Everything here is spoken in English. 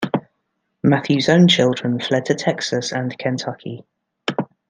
Mathews own children fled to Texas and Kentucky.